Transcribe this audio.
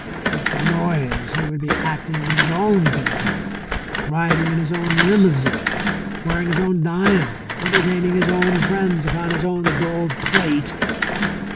But for Noyes he would be acting in his own theatre, riding in his own limousine, wearing his own diamonds, entertaining his own friends upon his own gold plate.